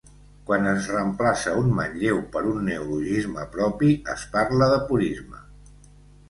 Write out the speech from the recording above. Quan es reemplaça un manlleu per un neologisme propi, es parla de purisme.